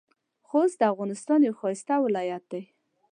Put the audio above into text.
خوست د افغانستان یو ښایسته ولایت دی.